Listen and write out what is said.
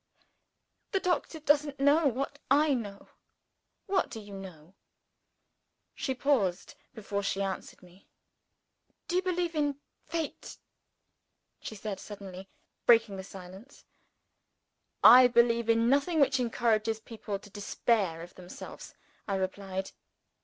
"The doctor doesn't know what I know." "What do you know?" She paused before she answered me. "Do you believe in fate?" she said, suddenly breaking the silence. "I believe in nothing which encourages people to despair of themselves," I replied.